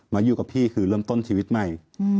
มาอยู่กับพี่คือเริ่มต้นชีวิตใหม่